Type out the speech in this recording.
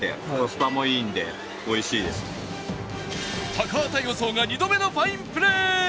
高畑予想が２度目のファインプレー！